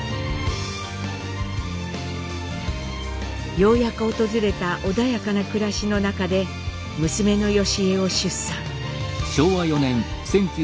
ようやく訪れた穏やかな暮らしの中で娘の祥江を出産。